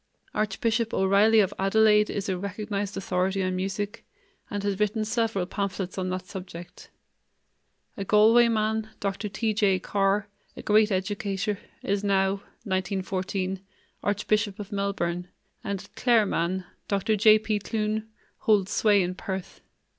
Archbishop O'Reily of Adelaide is a recognized authority on music, and has written several pamphlets on that subject. A Galway man, Dr. T. J. Carr, a great educator, is now (1914) archbishop of Melbourne, and a Clare man, Dr. J. P. Clune, holds sway in Perth.